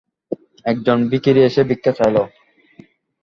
এক জন ভিখিরি এসে ভিক্ষা চাইল।